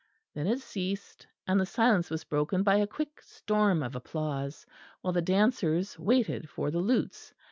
Then it ceased; and the silence was broken by a quick storm of applause; while the dancers waited for the lutes.